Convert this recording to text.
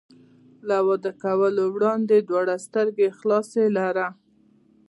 له واده کولو وړاندې دواړه سترګې خلاصې لره.